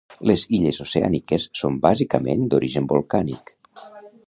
Les illes oceàniques són bàsicament d'origen volcànic.